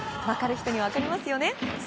分かる人には分かりますね。